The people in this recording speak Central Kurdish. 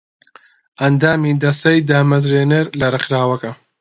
ئەندامی دەستەی دامەزرێنەر لە ڕێکخراوەکە